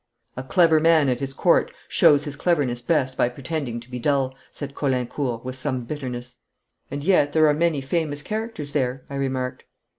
'A clever man at his Court shows his cleverness best by pretending to be dull,' said Caulaincourt, with some bitterness. 'And yet there are many famous characters there,' I remarked.